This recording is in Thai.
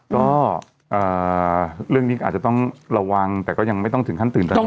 ก็เรื่องนี้ก็อาจจะต้องระวังแต่ก็ยังไม่ต้องถึงขั้นตื่นตนก